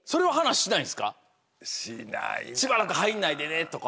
「しばらく入んないでね」とか。